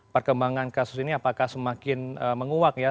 perkembangan kasus ini apakah semakin menguak ya